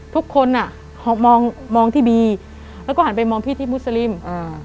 ทุกคนอ่ะมองมองที่บีแล้วก็หันไปมองพี่ที่มุสลิมอ่า